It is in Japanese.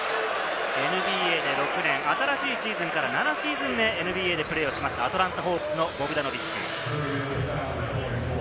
ＮＢＡで６年、新しいシーズンから７シーズン目、ＮＢＡでプレーをするアトランタ・ホークスのボグダノビッチ。